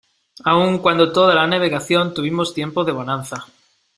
aun cuando toda la navegación tuvimos tiempo de bonanza,